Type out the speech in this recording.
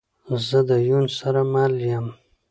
زه ده یون سره مل یم